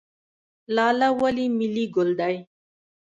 لاله ولې ملي ګل دی؟